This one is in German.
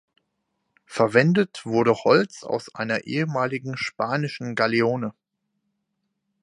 Verwendet wurde Holz aus einer ehemaligen spanischen Galeone.